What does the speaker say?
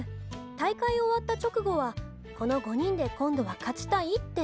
大会終わった直後はこの５人で今度は勝ちたいって」。